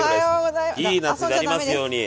いい夏になりますように。